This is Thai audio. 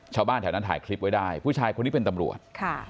ชาวบ้านแถวนั้นถ่ายคลิปไว้ได้ผู้ชายคนนี้เป็นตำรวจ